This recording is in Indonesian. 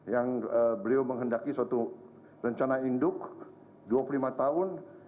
yang beliau menghendaki suatu rencana induk dua puluh lima tahun